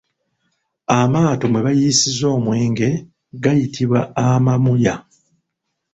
Amaato mwe bayiisizza omwenge gayitibwa amamuya.